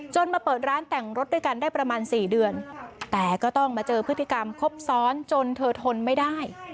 มาเปิดร้านแต่งรถด้วยกันได้ประมาณ๔เดือนแต่ก็ต้องมาเจอพฤติกรรมครบซ้อนจนเธอทนไม่ได้